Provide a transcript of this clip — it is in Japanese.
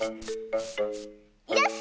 よし！